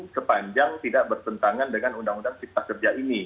sepanjang tidak bertentangan dengan undang undang cipta kerja ini